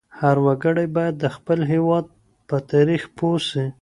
هر وګړی باید د خپل هېواد په تاریخ پوه سي.